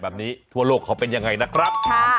แบบนี้ทั่วโลกของเขาเป็นยังไงนะครับ